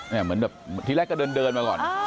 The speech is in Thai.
เหมือนแบบทีแรกก็เดินมาก่อน